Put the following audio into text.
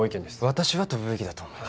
私は飛ぶべきだと思います。